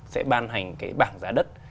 sẽ ban hành cái bảng giá đất